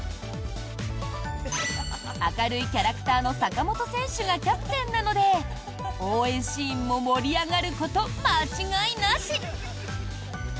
明るいキャラクターの坂本選手がキャプテンなので応援シーンも盛り上がること間違いなし！